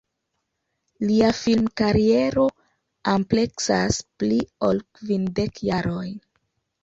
Lia film-kariero ampleksas pli ol kvindek jarojn.